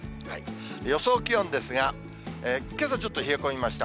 予想気温ですが、けさ、ちょっと冷え込みました。